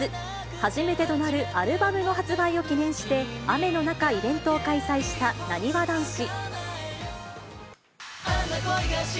初めてとなるアルバムの発売を記念して、雨の中、イベントを開催したなにわ男子。